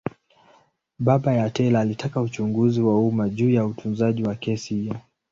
Baba ya Taylor alitaka uchunguzi wa umma juu ya utunzaji wa kesi hiyo.